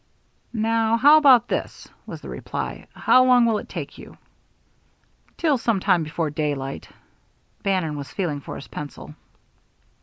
"Now, how about this?" was the reply. "How long will it take you?" "Till some time before daylight." Bannon was feeling for his pencil.